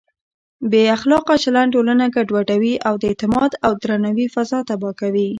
بې اخلاقه چلند ټولنه ګډوډوي او د اعتماد او درناوي فضا تباه کوي.